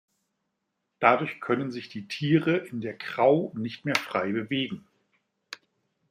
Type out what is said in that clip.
Dadurch können sich die Tiere in der Crau nicht mehr frei bewegen.